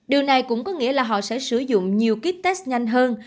điều này cũng có nghĩa là họ sẽ sử dụng nhiều kíp test nhanh hơn